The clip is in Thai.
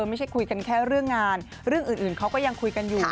ไม่ใช่คุยกันแค่เรื่องงานเรื่องอื่นเขาก็ยังคุยกันอยู่